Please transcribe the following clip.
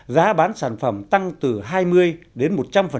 giá bán sản phẩm tăng từ hai mươi đến một trăm linh